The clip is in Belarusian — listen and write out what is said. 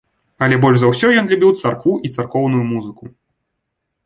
Але больш за ўсё ён любіў царкву і царкоўную музыку.